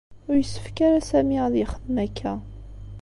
Ur yessefk ara Sami ad yexdem akka.